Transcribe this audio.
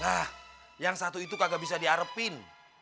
ah yang satu itu kagak bisa diarepin